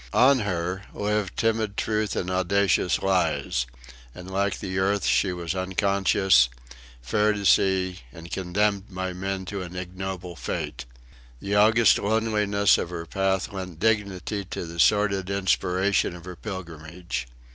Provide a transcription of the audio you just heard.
On her lived timid truth and audacious lies; and, like the earth, she was unconscious, fair to see and condemned by men to an ignoble fate. The august loneliness of her path lent dignity to the sordid inspiration of her pilgrimage.